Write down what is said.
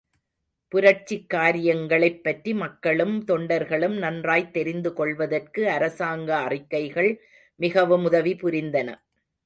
புரட்சிக் காரியங்களைப் பற்றி மக்களும் தொண்டர்களும் நன்றாய்த் தெரிந்துகொள்வதற்கு அரசாங்க அறிக்கைகள் மிகவும் உதவி புரிந்தன.